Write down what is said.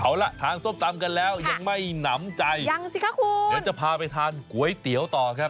เอาล่ะทานส้มตำกันแล้วยังไม่หนำใจยังสิคะคุณเดี๋ยวจะพาไปทานก๋วยเตี๋ยวต่อครับ